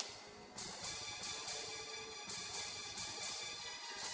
aku tahu kamu yang mengatur ini semua